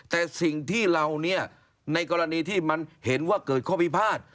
แต่สิ่งที่เราเนี่ยในกรณีที่มันเห็นว่าเกิดข้อพิพาท